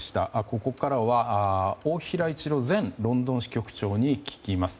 ここからは、大平一郎前ロンドン支局長に聞きます。